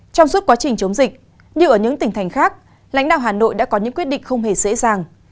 trong suốt quá trình chống dịch như ở những tỉnh thành khác lãnh đạo hà nội đã có những quyết định không hề dễ dàng